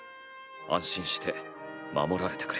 安心して守られてくれ。